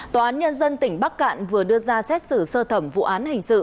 tòa án nhân dân tỉnh bắc cạn vừa đưa ra xét xử sơ thẩm vụ án hình sự